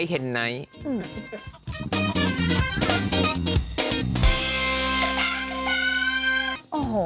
เห็นไหน